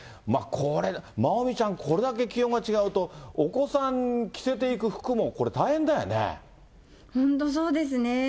これ、まおみちゃん、これだけ気温が違うと、お子さん、着せていく服も、本当そうですね。